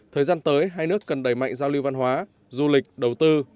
thời gian tới hai nước cần đẩy mạnh giao lưu văn hóa du lịch đầu tư